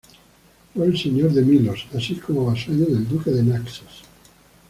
Fue el señor de Milos, así como vasallo del duque de Naxos.